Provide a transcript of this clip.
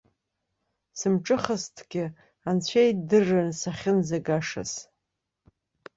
Сымҿыхазҭгьы, анцәа идыррын сахьынӡагашаз.